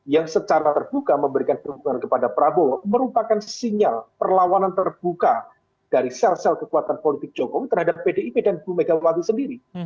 yang secara terbuka memberikan dukungan kepada prabowo merupakan sinyal perlawanan terbuka dari sel sel kekuatan politik jokowi terhadap pdip dan bu megawati sendiri